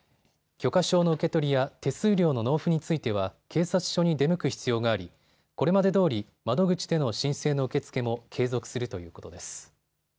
許可証の受け取りや手数料の納付については警察署に出向く必要がありこれまでどおり窓口での申請の受け付けも継続するということです。